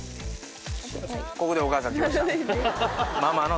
ここでお母さん来ましたママの登場。